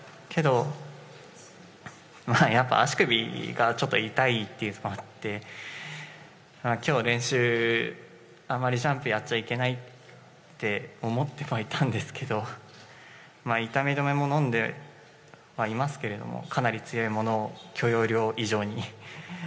けど、やっぱり足首がちょっと痛いというのがあって今日、練習、あまりジャンプをやっちゃいけないって思ってはいたんですけど痛み止めも飲んではいますけれどもかなり強いものを許容量以上に。